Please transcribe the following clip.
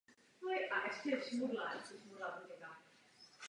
V přízemí jsou ploché stropy.